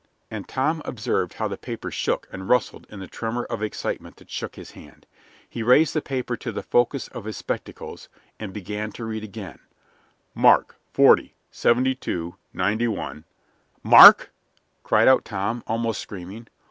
And Tom observed how the paper shook and rustled in the tremor of excitement that shook his hand. He raised the paper to the focus of his spectacles and began to read again. "'Mark 40, 72, 91 '" "Mark?" cried out Tom, almost screaming.